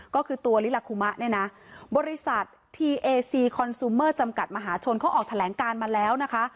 ก็คือตัวลิลาคุมะเนี่ยนะบริษัททีเอซีคอนซูเมอร์จำกัดมหาชนเขาออกแถลงการมาแล้วนะคะ